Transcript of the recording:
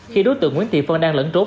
khi đối tượng nguyễn thị phân đang lẫn trốt